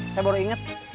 saya baru inget